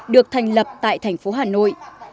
được thành lập tại thành phố hà nội